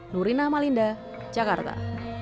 nurina malinda jakarta